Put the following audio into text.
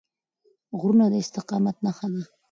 غرونه د استقامت نښه ده.